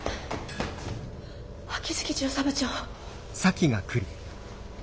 秋月巡査部長。